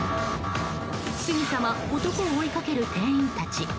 すぐさま男を追いかける店員たち。